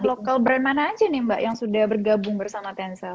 local brand mana aja nih mbak yang sudah bergabung bersama tensel